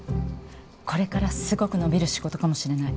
これからすごく伸びる仕事かもしれない。